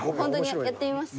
やってみます？